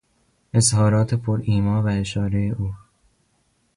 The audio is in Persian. اظهارات پر ایما و اشارهی او